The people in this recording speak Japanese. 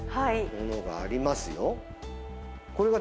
ものがありますよ。